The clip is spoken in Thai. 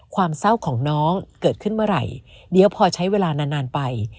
ความเศร้าของน้องเกิดขึ้นเมื่อไหร่เดี๋ยวพอใช้เวลานานนานไป